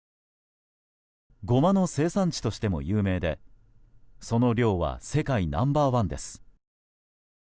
ゴマの生産地としても有名でその量は世界ナンバー１です。